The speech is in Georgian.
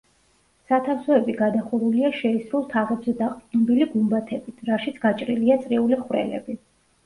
სათავსოები გადახურულია შეისრულ თაღებზე დაყრდნობილი გუმბათებით, რაშიც გაჭრილია წრიული ხვრელები.